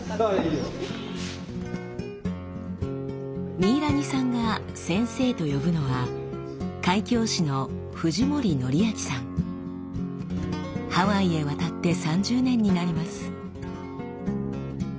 ミイラニさんが「先生」と呼ぶのはハワイへ渡って３０年になります。